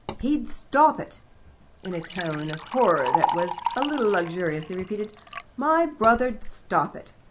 "He'd stop it." In a tone of horror, that was a little luxurious, he repeated: "My brother'd stop it.